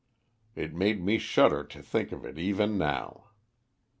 It makes me shudder to think of it even now.